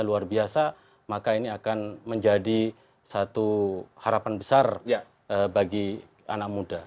luar biasa maka ini akan menjadi satu harapan besar bagi anak muda